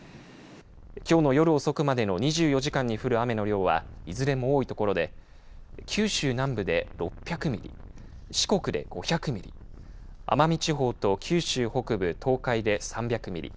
きょうの夜遅くまでの２４時間に降る雨の量はいずれも多い所で九州南部で６００ミリ四国で５００ミリ奄美地方と九州北部東海で３００ミリ